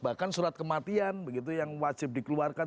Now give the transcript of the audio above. bahkan surat kematian begitu yang wajib dikeluarkan